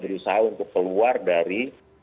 berusaha untuk keluar dari